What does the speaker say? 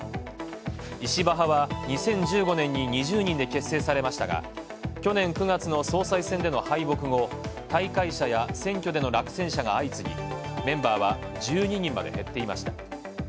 石破派は、２０１５年に２０人で結成されましたが去年９月の総裁選での敗北後、退会者や選挙での落選者が相次ぎメンバーは１２人まで減っていました。